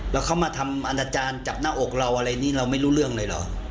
แล้วเขามาทำอนาจารย์จับหน้าอกเราอะไรนี่เราไม่รู้เรื่องเลยเหรอ